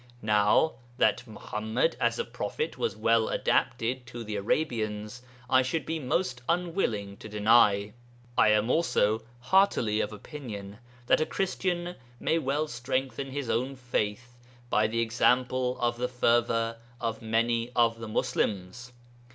Now, that Muḥammad as a prophet was well adapted to the Arabians, I should be most unwilling to deny. I am also heartily of opinion that a Christian may well strengthen his own faith by the example of the fervour of many of the Muslims.